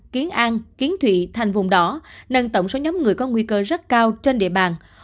kiến an kiến thụy thành vùng đỏ nâng tổng số nhóm người có nguy cơ rất cao trên địa bàn